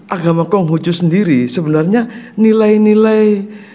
agama konghucu sendiri sebenarnya nilai nilai